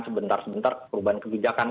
sebentar sebentar perubahan kebijakan